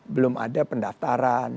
belum ada pendaftaran